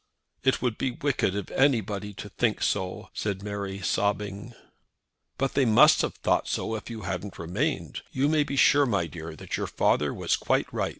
"It would be wicked of anybody to think so," said Mary, sobbing. "But they must have thought so if you hadn't remained. You may be sure, my dear, that your father was quite right.